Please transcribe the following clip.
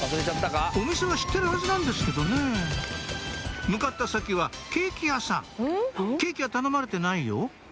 お店は知ってるはずなんですけどね向かった先はケーキ屋さんケーキは頼まれてないよ？